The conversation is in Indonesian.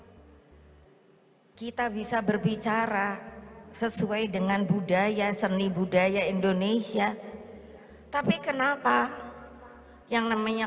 kita bisa berbicara sesuai dengan budaya seni budaya indonesia tapi kenapa yang namanya